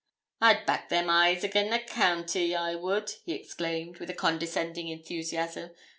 'I'd back them eyes again' the county, I would,' he exclaimed, with a condescending enthusiasm.